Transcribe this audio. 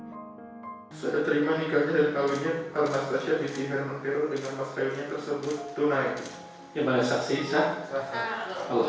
saya terima nikahnya dari kawinnya karena mas tasya disihkan menteruh dengan maskerunya tersebut tunai